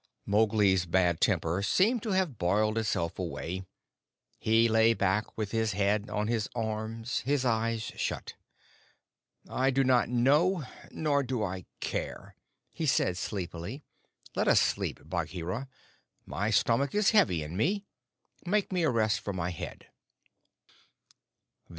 Mowgli's bad temper seemed to have boiled itself away. He lay back with his head on his arms, his eyes shut. "I do not know nor do I care," he said sleepily. "Let us sleep, Bagheera. My stomach is heavy in me. Make me a rest for my head."